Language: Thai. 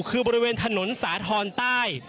คือบริเวณถนนสาธรณ์ใต้